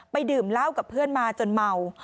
ดื่มเหล้ากับเพื่อนมาจนเมา